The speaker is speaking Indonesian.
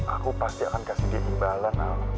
aku pasti akan kasih dia imbalan al